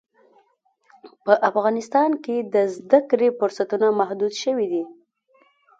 په افغانستان کې د زده کړې فرصتونه محدود شوي دي.